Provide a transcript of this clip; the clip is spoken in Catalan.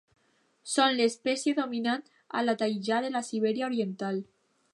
Són l'espècie dominant a la taigà de la Sibèria oriental.